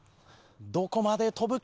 どこまで飛ぶか？